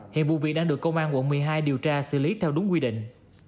hiện vụ việc đang được công an quận một mươi hai điều tra xử lý theo đúng quy định